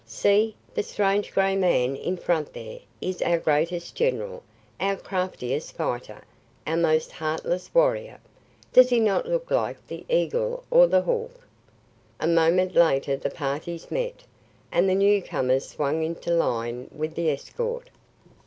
"See the strange gray man in front there is our greatest general, our craftiest fighter, our most heartless warrior. Does he not look like the eagle or the hawk?" A moment later the parties met, and the newcomers swung into line with the escort.